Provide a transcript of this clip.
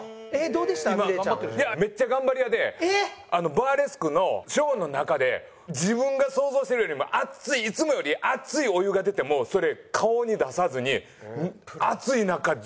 バーレスクのショーの中で自分が想像してるよりも熱いいつもより熱いお湯が出てもそれ顔に出さずに熱い中ずっとやってた。